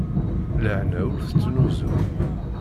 Lehna ur tettnuzu.